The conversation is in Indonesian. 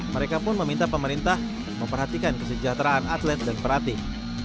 mereka pun meminta pemerintah memperhatikan kesejahteraan atlet dan pelatih